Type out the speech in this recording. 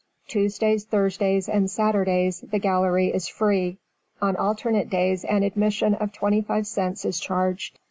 Tuesdays, Thursdays, and Saturdays the gallery is free; on alternate days an admission of twenty five cents is charged.